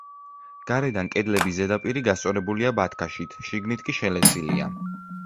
გარედან კედლების ზედაპირი, გასწორებულია ბათქაშით, შიგნით კი შელესილია.